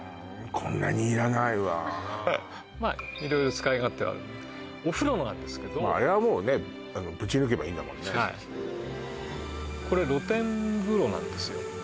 こんなにいらないわまあ色々使い勝手はあるお風呂なんですけどあれはもうねぶち抜けばいいんだもんねこれ露天風呂なんですよ